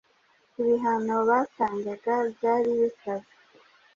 Ibihano batangaga byari bikaze